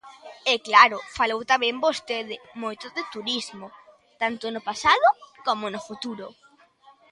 E claro, falou tamén vostede moito de turismo, tanto no pasado como no futuro.